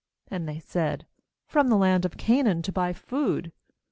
And they said: 'From the land of Canaan to buy food.'